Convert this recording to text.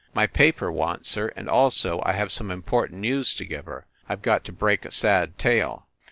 My paper wants her, and also I have some important news to give her I ve got to break a sad tale.